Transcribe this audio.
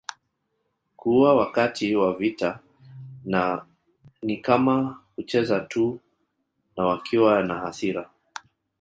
Kuua wakati wa vita ni kama kucheza tu na wakiwa na hasira